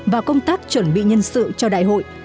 và công tác chuẩn bị nhân sự cho đại hội